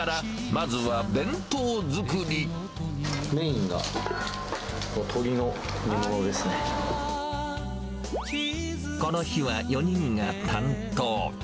メインが、この日は４人が担当。